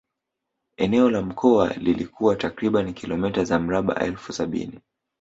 Eneo la mkoa lilikuwa takriban kilometa za mraba elfu sabini